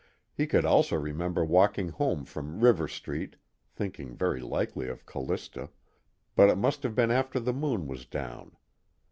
He could almost remember walking home from River Street (thinking very likely of Callista), but it must have been after the moon was down.